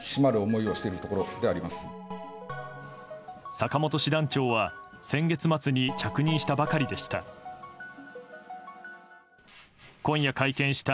坂本師団長は先月末に着任したばかりでした。